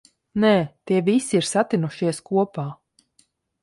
Nē, tie visi ir satinušies kopā.